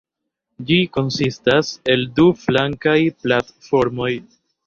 Ĝi konsistas el du flankaj platformoj.